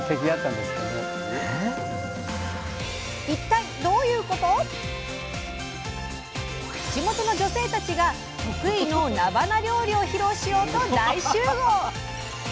一体どういうこと⁉地元の女性たちが得意のなばな料理を披露しようと大集合！